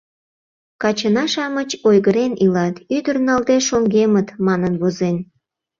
Качына-шамыч ойгырен илат, ӱдыр налде шоҥгемыт, манын возен.